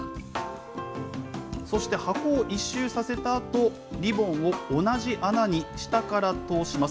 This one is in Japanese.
そして箱を１周させたあと、リボンを同じ穴に下から通します。